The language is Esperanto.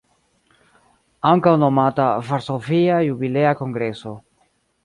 Ankaŭ nomata "Varsovia Jubilea Kongreso".